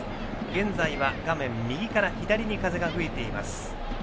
現在は画面右から左に風が吹いています。